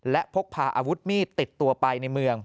และพกพาอาวุธมีดติดตัวไปในเมือง